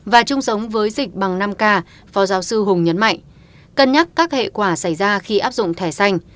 và chung sống với dịch bằng năm k phó giáo sư hùng nhấn mạnh cân nhắc các hệ quả xảy ra khi áp dụng thẻ xanh